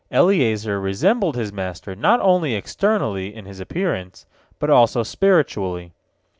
Eliezer resembled his master not only externally, in his appearance, but also spiritually.